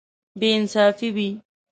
بې انصافي وي.